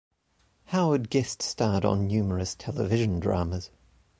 Howard guest-starred on numerous television dramas.